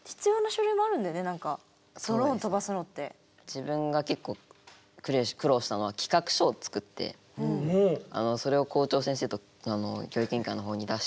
自分が結構苦労したのはそれを校長先生と教育委員会の方に出して。